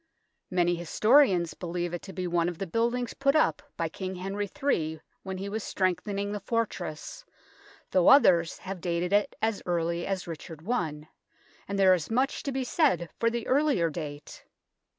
Many historians believe it to be one of the buildings put up by King Henry III when he was strengthening the fortress, though others have dated it as early as Richard I, and there is much to be said for the earlier date.